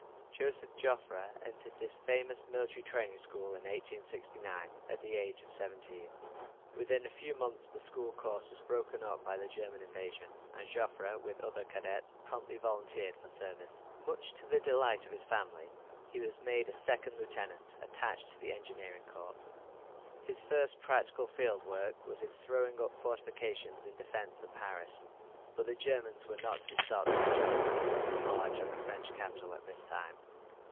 Joseph Joffre entered this famous military training school in 1869, at the age of seventeen. Within a few months the school course was broken up by the German invasion, and Joffre with other cadets promptly volunteered for service. Much to the delight of his family, he was made a second lieutenant, attached to the Engineering Corps. His first practical field work was in throwing up fortifications in defence of Paris. But the Germans were not to be stopped by Joffre in their march on the French capital at this time.